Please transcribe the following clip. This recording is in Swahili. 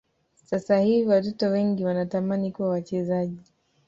sasa hivi watoto wengi wanatamani kuwa wachezaji